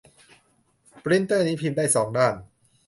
ปรินเตอร์นี้พิมพ์ได้สองด้าน